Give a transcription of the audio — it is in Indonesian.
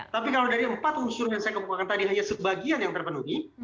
tapi kalau dari empat unsur yang saya kemukakan tadi hanya sebagian yang terpenuhi